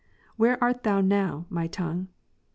" Where art thou now, my tongue